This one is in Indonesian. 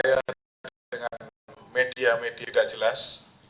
jangan percaya dengan media media tidak jelas